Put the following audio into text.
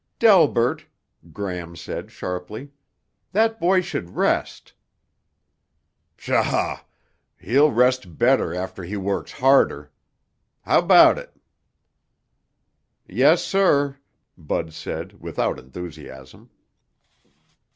"Delbert," Gram said sharply, "that boy should rest." "Pshaw. He'll rest better after he works harder. How 'bout it?" "Yes, sir," Bud said without enthusiasm.